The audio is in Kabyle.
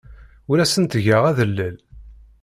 Ur asen-ttgeɣ adellel.